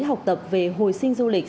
học tập về hồi sinh du lịch